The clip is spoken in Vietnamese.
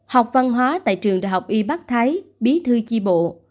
học văn hóa tại trường đại học y bắc thái bí thư chi bộ